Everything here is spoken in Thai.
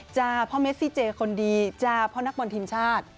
จ้าพ่อเมซซี่เจย์คนดีจ้าพ่อนักบอร์นทีมชาติ